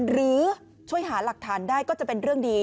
หรือช่วยหาหลักฐานได้ก็จะเป็นเรื่องดี